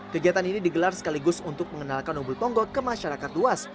kegiatan ini digelar sekaligus untuk mengenalkan umbul ponggo ke masyarakat luas